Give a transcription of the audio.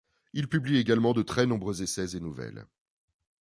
Il publie également de très nombreux essais et nouvelles.